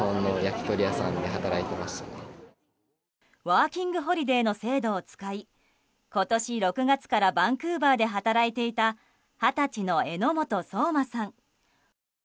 ワーキングホリデーの制度を使い今年６月からバンクーバーで働いていた二十歳の榎本滝馬さん。